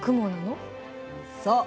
そう。